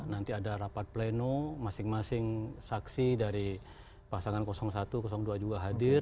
nanti ada rapat pleno masing masing saksi dari pasangan satu dua juga hadir